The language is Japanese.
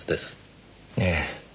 ええ。